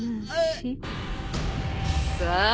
さあ！